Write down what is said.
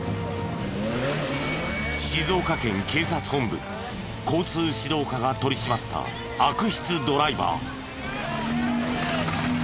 静岡県警察本部交通指導課が取り締まった悪質ドライバー。